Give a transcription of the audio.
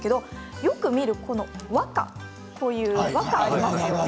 よく見ると和歌がありますよね。